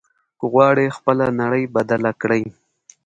که غواړې خپله نړۍ بدله کړې.